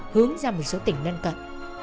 hướng ra một số tỉnh nâng cận